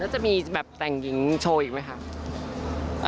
แล้วจะมีแบบแต่งหญิงโชว์อีกไหมคะ